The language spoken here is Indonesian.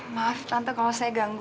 maaf tante kalau saya ganggu